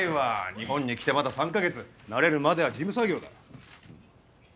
日本に来てまだ３か月慣れるまでは事務作業だ。